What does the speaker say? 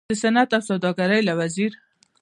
د صنعت او سوداګرۍ له وزیر